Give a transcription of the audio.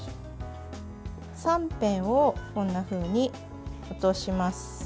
三辺をこんなふうに落とします。